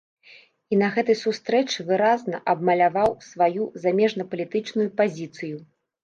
І на гэтай сустрэчы выразна абмаляваў сваю замежнапалітычную пазіцыю.